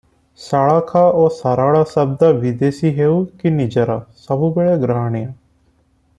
ସଳଖ ଓ ସରଳ ଶବ୍ଦ ବିଦେଶୀ ହେଉ କି ନିଜର ସବୁବେଳେ ଗ୍ରହଣୀୟ ।